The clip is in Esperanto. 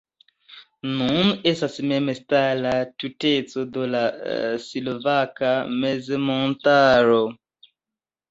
Nun estas memstara tuteco de la Slovaka Mezmontaro.